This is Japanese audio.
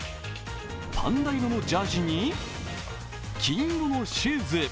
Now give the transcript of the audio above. パンダ色のジャージーに、金色のシューズ。